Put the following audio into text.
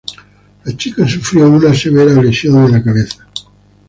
La chica sufrió una severa lesión en la cabeza.